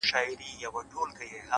هوښیار انسان د احساساتو غلام نه وي؛